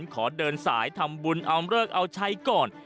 ขอเดินสายทำบุญเอาเลิกเอาใช้ก่อน